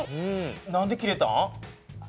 何で切れたん？